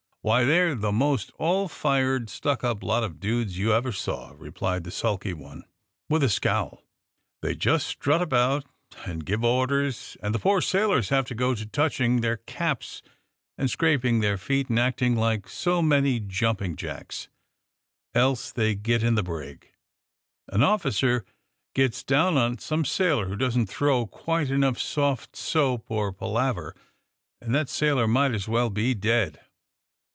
'^Why, they're the most all fired stuck up lot of dudes you ever saw," replied the sulky one, with a scowl. '' They just strut around and give orders, and the poor sailors have to go to touch ing their caps and scraping their feet and acting like so many jumping jacks — else they git in the brig. An officer gets down on some sailor who doesn't throw quite enough soft soap and pala ver, and that sailor might as well be dead.